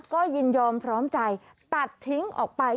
ก็ยินยอมพร้อมใจตัดทิ้งออกไป